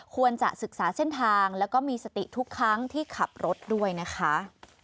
ควรจะศึกษาเส้นทางแล้วก็มีสติทุกครั้งที่ขับรถด้วยนะคะ